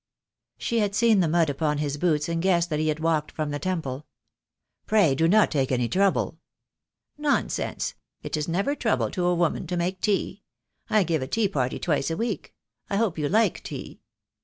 She had seen the mud upon his boots and guessed that he had walked from the Temple. THE DAY WILL COME. 255 "Pray do not take any trouble " "Nonsense; it is never trouble to a woman to make tea. I give a tea party twice a week. 1 hope you like tea?"